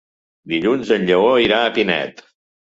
Dilluns en Lleó irà a Pinet.